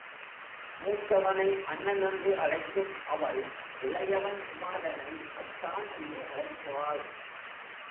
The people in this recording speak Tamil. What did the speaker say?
மூத்தவனை அண்ணன் என்று அழைக்கும் அவள், இளையவன் குமரனை அத்தான் என்று அழைக்கிறாள்.